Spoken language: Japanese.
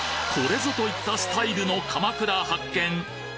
これぞといったスタイルのかまくら発見！